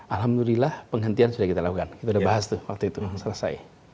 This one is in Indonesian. alhamdulillah penghentian sudah kita lakukan kita udah bahas tuh waktu itu selesai